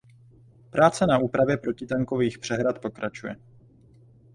Práce na úpravě protitankových přehrad pokračuje.